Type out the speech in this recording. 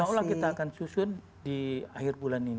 insya allah kita akan susun di akhir bulan ini